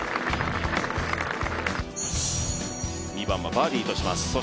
２番はバーディーとします。